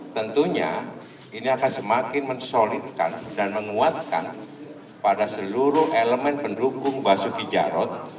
tentunya ini akan semakin mensolidkan dan menguatkan pada seluruh elemen pendukung basuki jarot